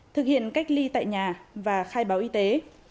thực hiện cách ly tại nhà và khai báo y tế